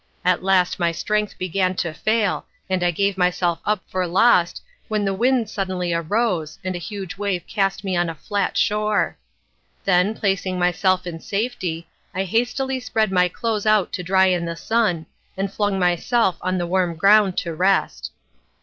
At last my strength began to fail, and I gave myself up for lost, when the wind suddenly rose, and a huge wave cast me on a flat shore. Then, placing myself in safety, I hastily spread my clothes out to dry in the sun, and flung myself on the warm ground to rest.